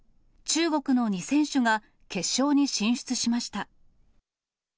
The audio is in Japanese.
中国の２選手が決勝に進出しました。